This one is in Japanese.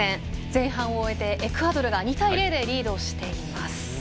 前半を終えてエクアドルが２対０でリードしています。